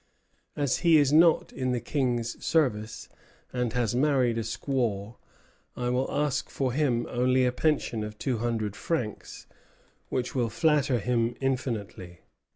"As he is not in the King's service, and has married a squaw, I will ask for him only a pension of two hundred francs, which will flatter him infinitely."